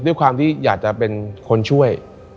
ด้วยความที่อยากจะเป็นคนช่วย